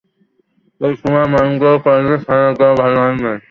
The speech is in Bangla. এ সময়ে মহেন্দ্রের কলেজ ছাড়িয়া দেওয়াটা ভালো হয় নাই।